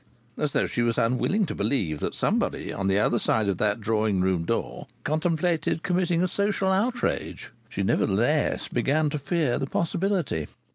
As though she was unwilling to believe that somebody on the other side of that drawing room door contemplated committing a social outrage, she nevertheless began to fear the possibility.